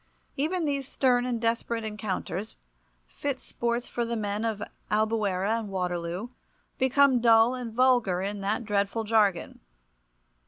Even these stern and desperate encounters, fit sports for the men of Albuera and Waterloo, become dull and vulgar, in that dreadful jargon.